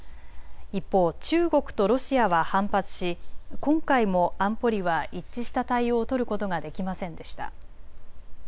一方、中国とロシアは反発し今回も安保理は一致した対応を取ることができませんでした。